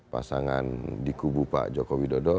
pasangan dikubu pak joko widodo